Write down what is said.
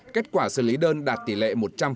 kết quả xử lý đơn đạt tỷ lệ một trăm linh